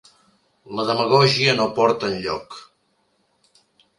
La demagògia no porta enlloc.